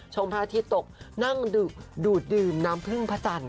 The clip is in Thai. พระอาทิตย์ตกนั่งดูดดื่มน้ำพึ่งพระจันทร์